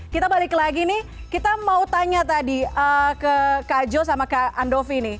kita balik lagi nih kita mau tanya tadi ke kak jo sama kak andovi nih